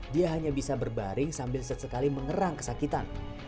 dia hanya bisa berbaring sambil sesekali mengerang kesakitan